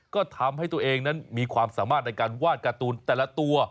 ก็ทำให้ตัวเองนั้นมีความสามารถในการวาดการ์ตูนแต่ละตัว